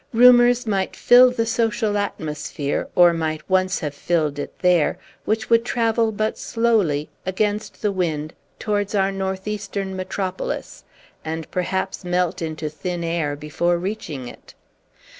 Rumors might fill the social atmosphere, or might once have filled it, there, which would travel but slowly, against the wind, towards our Northeastern metropolis, and perhaps melt into thin air before reaching it.